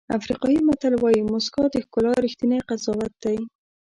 افریقایي متل وایي موسکا د ښکلا ریښتینی قضاوت دی.